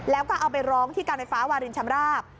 แล้วก็เอาไปร้องที่การไฟฟ้าวารินชำราบ